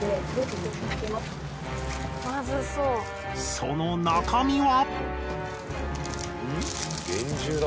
その中身は。